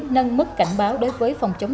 nâng mức cảnh báo đối với phòng chống